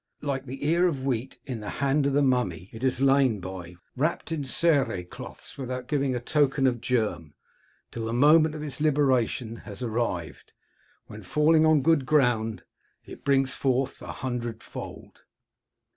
Like the ear of wheat in the hand of the mummy, it has lain by, wrapped in cere cloths, without giving token of germ, till the moment of its liberation has arrived, when, falling on good ground, it brings forth a hundredfold.